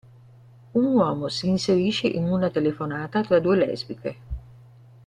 Un uomo si inserisce in una telefonata tra due lesbiche.